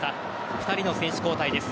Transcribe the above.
２人の選手交代です。